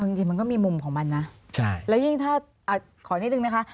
จริงจริงมันก็มีมุมของมันนะใช่แล้วยิ่งถ้าอ่าขอนิดหนึ่งนะคะ